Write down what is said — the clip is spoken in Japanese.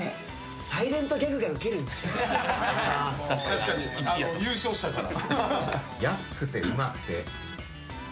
確かに優勝したから。